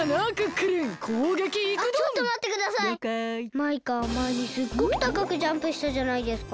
マイカまえにすっごくたかくジャンプしたじゃないですか。